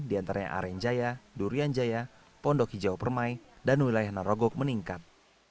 di antaranya arenjaya durian jaya pondok hijau permai dan wilayah narogok meningkat